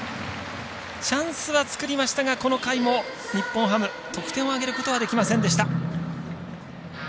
チャンスは作りましたがこの回も日本ハム得点を挙げることはできませんでした。